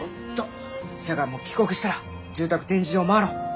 せやから帰国したら住宅展示場回ろう。